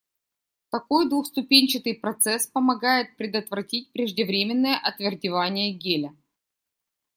Такой двухступенчатый процесс помогает предотвратить преждевременное отвердевание геля.